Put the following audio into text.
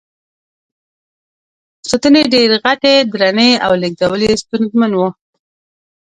ستنې ډېرې غټې، درنې او لېږدول یې ستونزمن و.